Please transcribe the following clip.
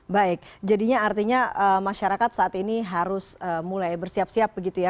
baik jadinya artinya masyarakat saat ini harus mulai bersiap siap begitu ya